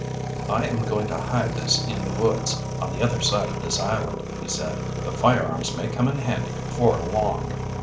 "I am going to hide this in the woods on the other side of this island," he said. "The firearms may come in handy before long."